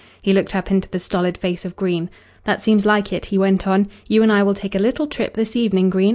He looked up into the stolid face of Green. "That seems like it," he went on. "You and I will take a little trip this evening, Green.